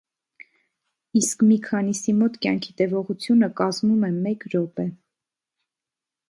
Իսկ մի քանիսի մոտ կյանքի տևողությունը կազմում է մեկ րոպե։